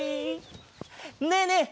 ねえねえ